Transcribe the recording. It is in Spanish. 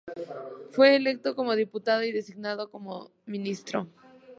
Fue electo como diputado y designado como ministro.